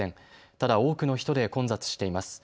ただ多くの人で混雑しています。